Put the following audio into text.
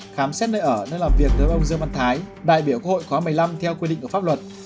khám xét nơi ở nơi làm việc với ông dương văn thái đại biểu quốc hội khóa một mươi năm theo quy định của pháp luật